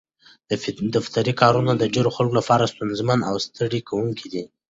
دفتري کارونه د ډېرو خلکو لپاره ستونزمن او ستړي کوونکي دي.